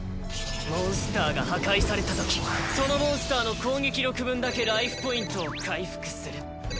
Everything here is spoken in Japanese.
モンスターが破壊されたときそのモンスターの攻撃力分だけライフポイントを回復する。